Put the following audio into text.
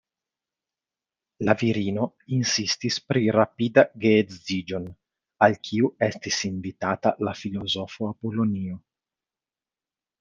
La virino insistis pri rapida geedziĝon, al kiu estis invitata la filozofo Apolonio.